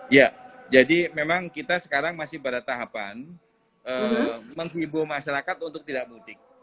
ya jadi memang kita sekarang masih pada tahapan menghibur masyarakat untuk tidak mudik